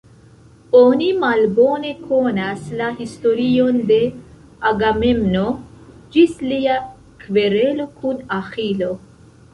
Oni malbone konas la historion de Agamemno ĝis lia kverelo kun Aĥilo.